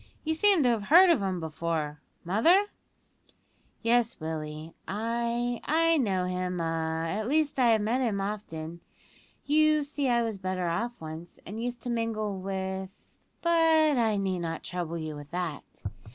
You seem to have heard of him before, mother?" "Yes, Willie, I I know him a at least I have met with him often. You see I was better off once, and used to mingle with but I need not trouble you with that.